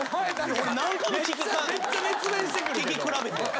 俺何回も聞き比べて。